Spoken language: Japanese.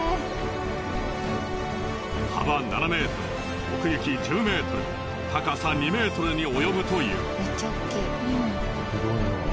幅７ｍ奥行き１０ｍ高さ２ｍに及ぶという。